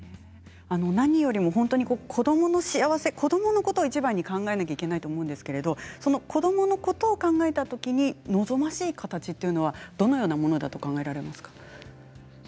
何よりも本当に子どもの幸せ、子どものことをいちばんに考えなければいけないと思うんですけれど子どものことを考えたときに望ましい形というのはどのようなものだと考えられますか。